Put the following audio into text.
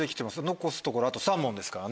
残すところあと３問ですからね。